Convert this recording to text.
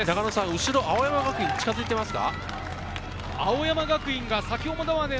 後ろ青山学院近づいていますか？